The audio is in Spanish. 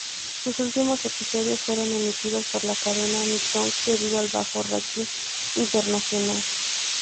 Sus últimos episodios fueron emitidos por la cadena Nicktoons debido al bajo rating internacional.